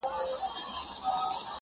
خو تېروتنې بيا تکراريږي ډېر,